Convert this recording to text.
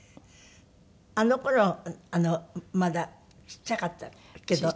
あの頃まだちっちゃかったけど。